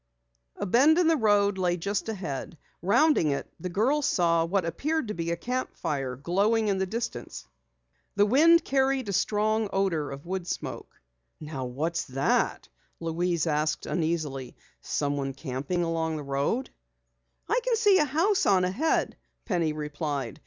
A bend in the road lay just ahead. Rounding it, the girls saw what appeared to be a camp fire glowing in the distance. The wind carried a strong odor of wood smoke. "Now what's that?" Louise asked uneasily. "Someone camping along the road?" "I can see a house on ahead," Penny replied.